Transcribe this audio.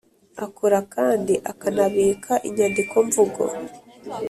Akora kandi akanabika inyandiko mvugo